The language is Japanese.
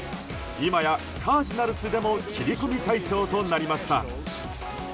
今や、カージナルスでも切り込み隊長となりました。